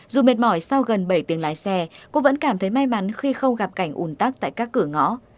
dù mệt mỏi sau gần bảy tiếng lái xe cô vẫn cảm thấy may mắn khi không gặp cảnh ủn tắc tại các cửa ngõ